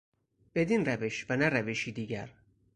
بدین روش و نه روشی دیگر